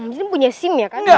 maksudnya punya sim ya kan